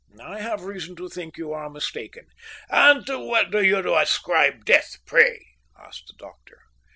"I have reason to think you are mistaken." "And to what do you ascribe death, pray?" asked the doctor.